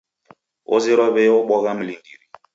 Ozerwa w'ei obwagha mlindiri.